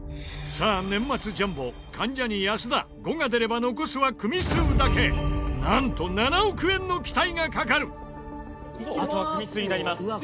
さあ、年末ジャンボ関ジャニ安田５が出れば、残すは組数だけなんと７億円の期待がかかる清水：あとは組数になります。